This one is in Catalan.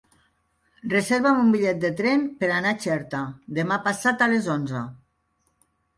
Reserva'm un bitllet de tren per anar a Xerta demà passat a les onze.